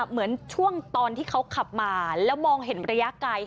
เหมือนช่วงตอนที่เขาขับมาแล้วมองเห็นระยะไกล